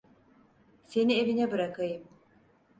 Seni evine bırakayım.